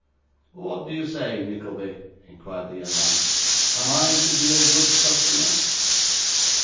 'What do you say, Nickleby?' inquired the young man; 'am I to be a good customer?